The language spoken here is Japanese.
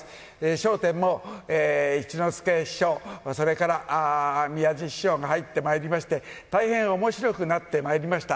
笑点も一之輔師匠、それから宮治師匠が入ってまいりまして、大変おもしろくなってまいりました。